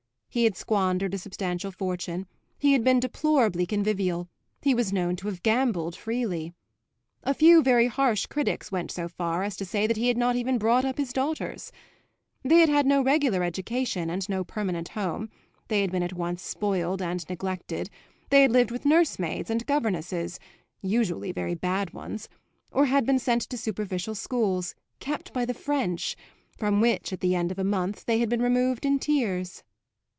He had squandered a substantial fortune, he had been deplorably convivial, he was known to have gambled freely. A few very harsh critics went so far as to say that he had not even brought up his daughters. They had had no regular education and no permanent home; they had been at once spoiled and neglected; they had lived with nursemaids and governesses (usually very bad ones) or had been sent to superficial schools, kept by the French, from which, at the end of a month, they had been removed in tears.